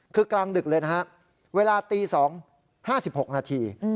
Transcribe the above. คือกลางดึกเลยนะฮะเวลาตี๒๕๖นาที